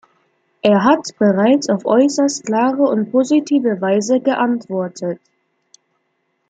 Er hat bereits auf äußerst klare und positive Weise geantwortet.